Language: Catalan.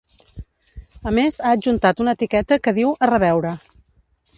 A més ha adjuntat una etiqueta que diu ‘a reveure’.